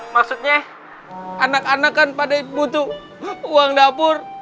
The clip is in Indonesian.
maksudnya anak anak kan pada butuh uang dapur